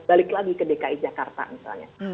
balik lagi ke dki jakarta misalnya